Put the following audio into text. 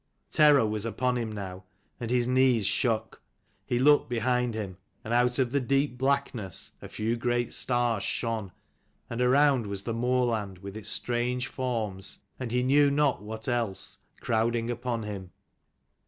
Terror was upon him now, and his knees shook. He looked behind him, and out of the deep blackness a few great stars shone, and around was the moorland with its strange forms, and he knew not what else, crowding upon him.